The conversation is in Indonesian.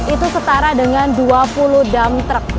itu setara dengan dua puluh dump truck